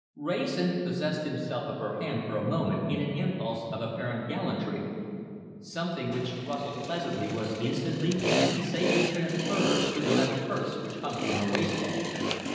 Wrayson possessed himself of her hand for a moment in an impulse of apparent gallantry. Something which rustled pleasantly was instantly and safely transferred to the metal purse which hung from her waistband.